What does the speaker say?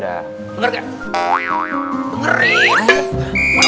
dengan berlipat ganda